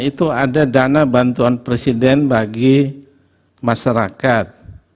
itu ada dana bantuan presiden bagi masyarakat